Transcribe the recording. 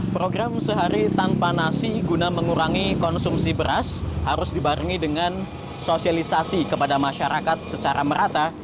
program sehari tanpa nasi guna mengurangi konsumsi beras harus dibarengi dengan sosialisasi kepada masyarakat secara merata